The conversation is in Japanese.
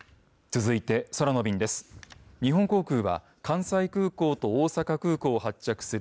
続いて空の便です。